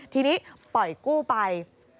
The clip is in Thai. ทีนี้ปล่อยกู้ไป